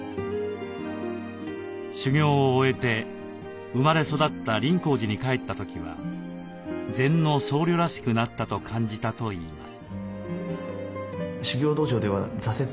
修行を終えて生まれ育った林香寺に帰った時は禅の僧侶らしくなったと感じたといいます。